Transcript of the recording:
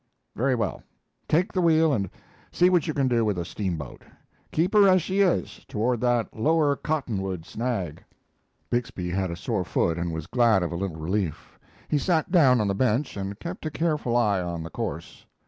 "Very well; take the wheel and see what you can do with a steamboat. Keep her as she is toward that lower cottonwood, snag." Bixby had a sore foot and was glad of a little relief. He sat down on the bench and kept a careful eye on the course.